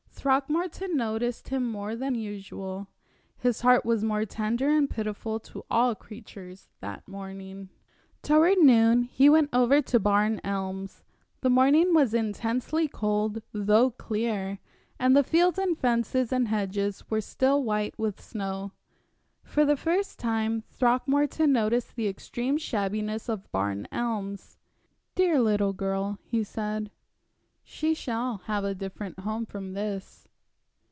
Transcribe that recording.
Throckmorton noticed him more than usual his heart was more tender and pitiful to all creatures that morning. Toward noon he went over to Barn Elms. The morning was intensely cold, though clear, and the fields and fences and hedges were still white with snow. For the first time Throckmorton noticed the extreme shabbiness of Barn Elms. "Dear little girl," he said, "she shall have a different home from this."